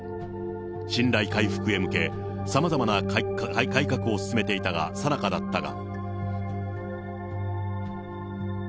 信頼回復へ向け、さまざまな改革を進めていたさなかだったが。